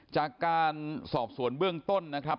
จากการสอบสวนเบื้องต้นนะครับ